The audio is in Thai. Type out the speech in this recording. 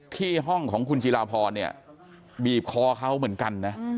ที่ห้องของคุณจิลาพรเนี่ยบีบคอเขาเหมือนกันนะ